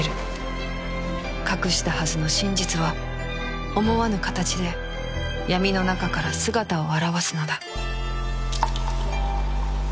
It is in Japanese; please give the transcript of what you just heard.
隠したはずの真実は思わぬ形で闇の中から姿を現すのだ